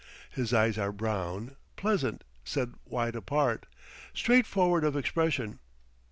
His eyes are brown, pleasant, set wide apart, straightforward of expression.